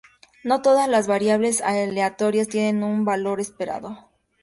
No todas las variables aleatorias tienen un valor esperado.